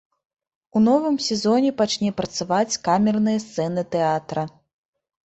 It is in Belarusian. У новым сезоне пачне працаваць камерная сцэна тэатра.